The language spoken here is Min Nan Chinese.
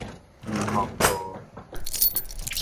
悠風號